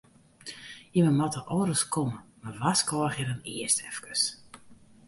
Jimme moatte al ris komme, mar warskôgje dan earst efkes.